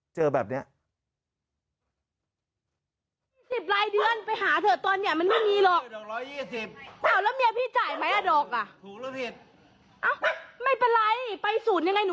เจอแบบนี้